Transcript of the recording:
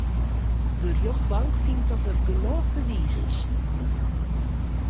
De rjochtbank fynt dat der genôch bewiis is.